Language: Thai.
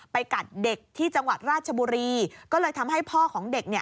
กัดเด็กที่จังหวัดราชบุรีก็เลยทำให้พ่อของเด็กเนี่ย